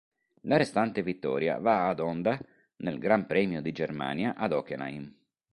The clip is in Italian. La restante vittoria va ad Honda, nel Gran Premio di Germania ad Hockenheim.